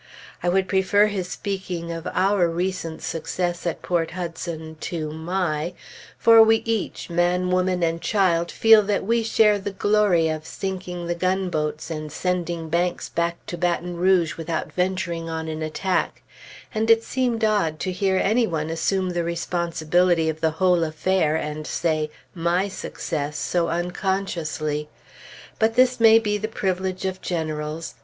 I would prefer his speaking of "our" recent success at Port Hudson to "my"; for we each, man, woman, and child, feel that we share the glory of sinking the gunboats and sending Banks back to Baton Rouge without venturing on an attack; and it seemed odd to hear any one assume the responsibility of the whole affair and say "my success" so unconsciously. But this may be the privilege of generals.